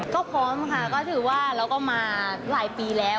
ก็พร้อมค่ะก็ถือว่าเราก็มาหลายปีแล้ว